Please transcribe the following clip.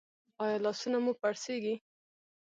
ایا لاسونه مو پړسیږي؟